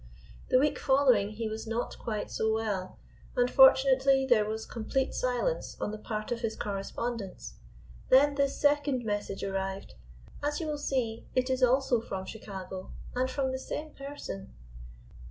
The week following he was not quite so well, and fortunately there was complete silence on the part of his correspondents. Then this second message arrived. As you will see it is also from Chicago and from the same person.